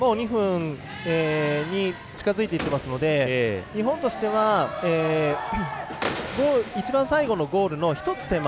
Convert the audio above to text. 残り２分に近づいていってますので日本としては一番最後のゴールの１つ手前。